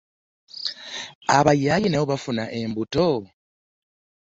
Abayaaye nabo bafuna embuto?